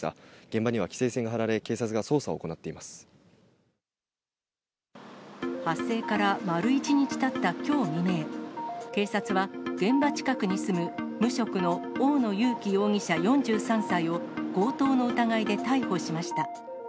現場には規制線が張られ、発生から丸１日たったきょう未明、警察は、現場近くに住む無職の大野佑紀容疑者４３歳を、強盗の疑いで逮捕しました。